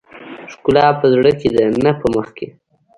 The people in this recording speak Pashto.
ښکلا په زړه کې ده نه په مخ کې .